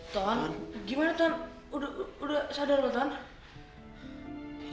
ton gimana ton udah sadar nggak ton